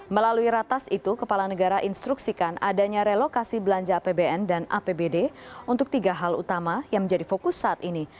melalui ratas itu kepala negara instruksikan adanya relokasi belanja apbn dan apbd untuk tiga hal utama yang menjadi fokus saat ini